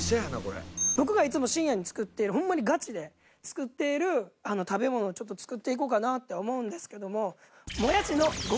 僕がいつも深夜に作っているホンマにガチで作っている食べ物をちょっと作っていこうなと思うんですけども。